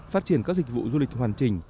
phát triển các dịch vụ du lịch hoàn chỉnh